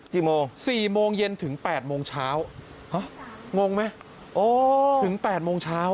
กี่โมง๔โมงเย็นถึง๘โมงเช้าห้ะงงไหมโอ้ถึง๘โมงเช้า